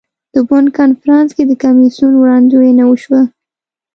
د بن کنفرانس کې د کمیسیون وړاندوینه وشوه.